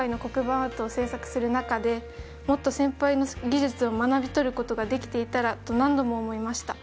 アートを制作する中で、もっと先輩の技術を学びとることができていたらと何度も思いました。